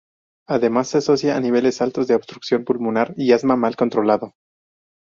Además, se asocia a niveles altos de obstrucción pulmonar y asma mal controlado.